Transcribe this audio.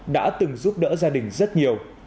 đã từng giúp đỡ gia đình rất nhiều